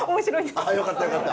あよかったよかった。